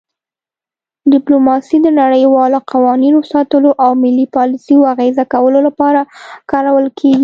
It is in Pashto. ډیپلوماسي د نړیوالو قوانینو ساتلو او ملي پالیسیو اغیزه کولو لپاره کارول کیږي